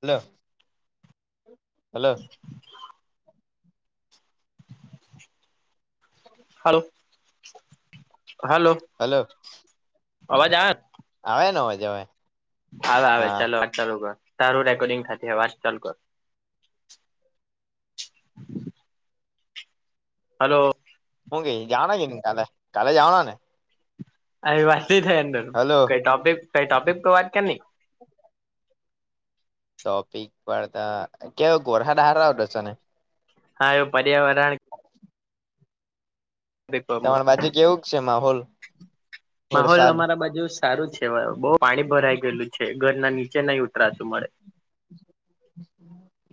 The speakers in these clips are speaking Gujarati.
Hello, hello. Hello. Hello hello અવાજ આવે? આવે ને અવાજ આવે. આવે આવે ચાલો વાત ચાલુ કર. તારું રેકોર્ડિંગ થતી હ વા ચાલ કર. હાલો. હું કેઈ જવાના કે ની કાલે, કાલે જવાના ને? આવી વાત ન થાય અંદર, હલો કઈ ટોપિક કઈ ટોપિક તો વાત કર ની. ટોપિક પરતા કેવક વર્હદ હારો આવતો હેન? હા એવ પર્યાવરણ તમારી બાજુ [unintelligible] કેવુંક છે માહોલ માહોલ વરસાદ અમારા બાજુ સારું છે બવ પાણી ભરાઈ ગયેલું છે ઘર ના નીચે નહી ઉતરાતું મળે.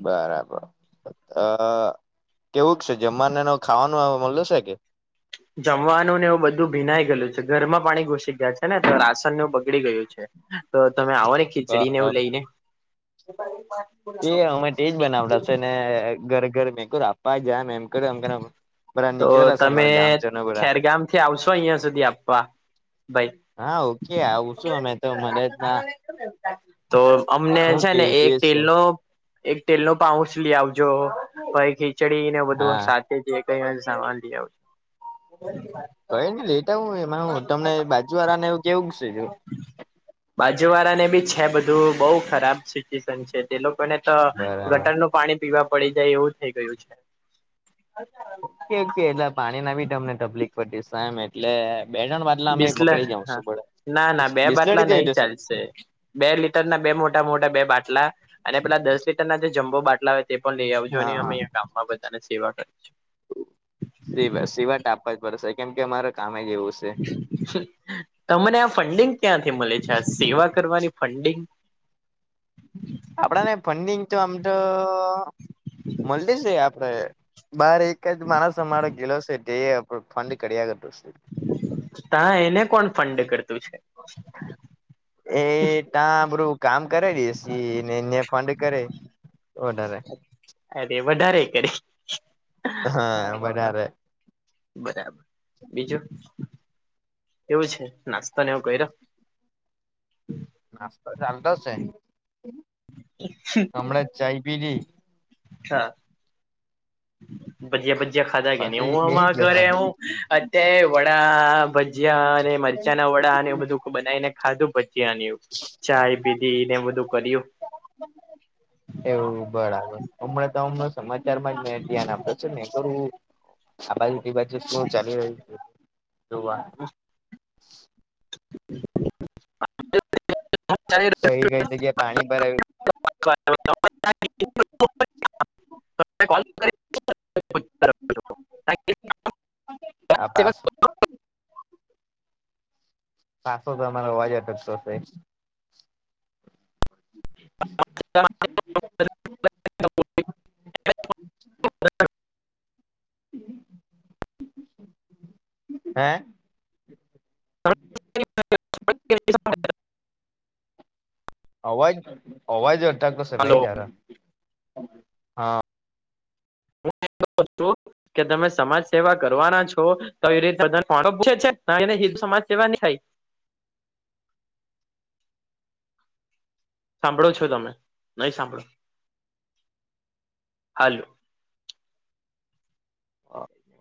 બરાબર અ કેવુંક શે? જમવાને એનો ખાવાનું મલે શે કે? જમવાનું ને એવું બધું ભીનાઈ ગયેલું છે ઘરમાં પાણી ઘુસી ગયા છે ને તો રાસનનું બગડી ગયું છે. તો તમે આવો ને ખીચડીને એવું બરાબર લઈ ને. એ અમે તેજ બનાવડાશે ને ઘર ઘર મેંક આપવા જમ એમ કર્યું એમ. બધા તો નીકળેલા છે તમે અમારા ગામજનો બધા ખેરગામ થી આવશો અહિયાં સુધી આપવા? ભાઈ હા ઓકે આવું છું અમે તો મને જ ના તો અમને હું છે કે ને તે એક છે ટટેલ નો એક તેલ નું પાઉચ લી આવજો પહી ખીચડીને બધું હા સાથે જ કઈ સાવાન લઈ આવ. લેટા આવ એ તમને બાજુવાળાને એવું કેવુંક છે? બાજુવાળા ને બી છે બધું બઉ ખરાબ સિચ્યુએશન છે. એ લોકોને તો બરાબર ગટર નું પાણી પીવા પડી જાય એવું થઈ ગયું છે. કે એટલે પાણી ના બી તમને તકલીફ પતી સામ એટલે બે તણ વાત બિસ્લે ના ના બે બિસ્લેરી બાટલા જેવી નઈ જશે ચાલશે. બે લીટર ના બે મોટા મોટા બે બાટલા અને પેલા દસ લીટરના જે જમ્બો બાટલા હોય તે પણ લઈ આવજો અને હા અમે હા અયા ગામમાં બધાને સેવા કરીશું. સિવા ટા આપવા જ પડશે કેમ કે અમારે કામે જ એવું છે. તમને આ ફંડિંગ ક્યાંથી મળે છે આ સેવા કરવાની ફંડિંગ? આપડાને ફંડિંગ તો આમ તો મળટી છે આપડે. બાર એક જ માણસ અમારો ગેલો છે તે ફંડ કર્યા કરતો શે. તા એને કોણ ફંડ કરતું છે? એ ત્યાં બધુ કામ કરે એસી ને ન્યા ફંડ કરે વધારે. અરે વધારે કરે. હા વધારે બરા, બીજું, કેવું છે નાસ્તો ને એવુ કર્યો? નાસ્તો ચાલતો શે હમણા ચાઈ પીલી. [unintelligible] ભજીયા ભજીયા ખાધા કે ની પછી હું બેહી આમાં ગયો ઘરે સાંજે વડા ભજીયા અને મરચા ના વડા એવું બધું બનાવીને ખાધું ભજીયા એવું. ચાય પીધી ને બધું કર્યું. [inaudible] એવું બરાબર હમણાં તો અમને સમાચારમાં મેં ધ્યાન આપ્યો છે મેં કીધું આ બાજુ તે બાજુ શું ચાલી રહ્યું છે તે જોવા. [inaudible] હા કઈ કઈ જગ્યાએ પાણી ભરાયું? [inaudible] [inaudible] તમને કોલ [inaudible] અમે લોકો [inaudible] આ પાસ. પાસો તો તમારો અવાજ અટકતો શે. હમ [inaudible] હે? [inaudible] અવાજ અવાજ અટકતો શે ભાઈ તારો. હા હું એમ કેતો તો કે તમે સમાજસેવા કરવાના છો? તઈ રે [unintelligible] પૂછે છે ને હીધુ સમાજસેવા ની થાય. સાંભળો છો તમે નહીં સાંભળો, હાલુ.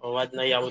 હ અવાજ નહીં આવ